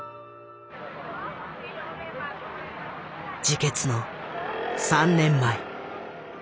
自決の３年前。